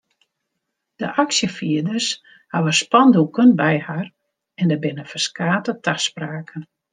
De aksjefierders hawwe spandoeken by har en der binne ferskate taspraken.